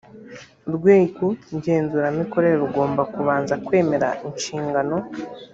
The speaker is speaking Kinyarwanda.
urwego ngenzuramikorere rugomba kubanza kwemera inshingano